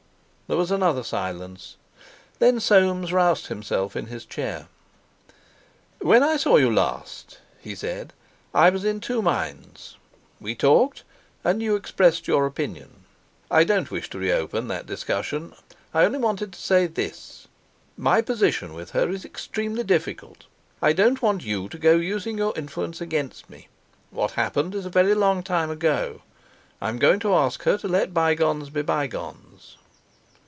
There was another silence; then Soames roused himself in his chair. "When I saw you last," he said, "I was in two minds. We talked, and you expressed your opinion. I don't wish to reopen that discussion. I only wanted to say this: My position with her is extremely difficult. I don't want you to go using your influence against me. What happened is a very long time ago. I'm going to ask her to let bygones be bygones."